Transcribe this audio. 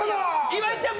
「岩井ちゃん